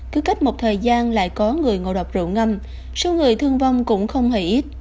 cứ cách một thời gian lại có người ngồi độc rượu ngâm số người thương vong cũng không hề ít